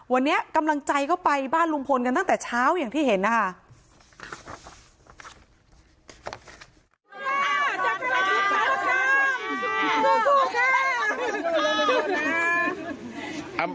วันนี้กำลังใจก็ไปบ้านลุงพลกันตั้งแต่เช้าอย่างที่เห็นนะคะ